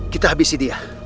kita habisi dia